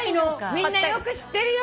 みんなよく知ってるよ。